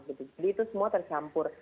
jadi itu semua tersampur